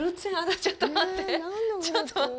ちょっと待って。